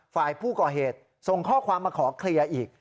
ฝ่ายผู้ก่อเหตุส่งข้อความมาขอเคลียร์อีก